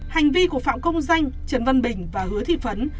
hành vi của phạm công danh trần văn bình và hứa thị phấn